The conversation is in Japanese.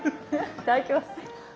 いただきます。